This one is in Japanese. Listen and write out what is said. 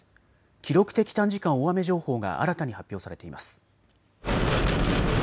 記録的短時間大雨情報が新たに発表されています。